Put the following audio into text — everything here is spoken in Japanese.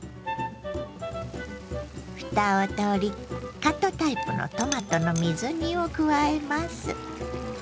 ふたを取りカットタイプのトマトの水煮を加えます。